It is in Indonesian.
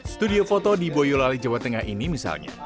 studio foto di boyolali jawa tengah ini misalnya